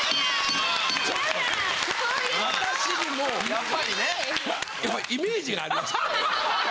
・やっぱりね・やっぱりイメージがありますからね。